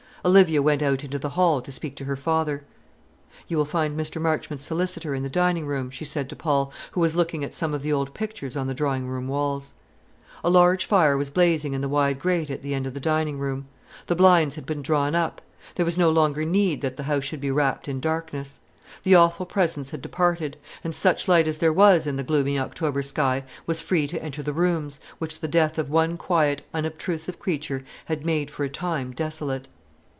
Olivia went out into the hall to speak to her father. "You will find Mr. Marchmont's solicitor in the dining room," she said to Paul, who was looking at some of the old pictures on the drawing room walls. A large fire was blazing in the wide grate at the end of the dining room. The blinds had been drawn up. There was no longer need that the house should be wrapped in darkness. The Awful Presence had departed; and such light as there was in the gloomy October sky was free to enter the rooms, which the death of one quiet, unobtrusive creature had made for a time desolate.